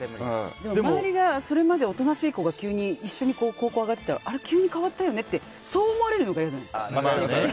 周りがそれまで大人しい子が一緒に高校に上がってたら急に変わったよねってそう思われるのが嫌じゃないですか。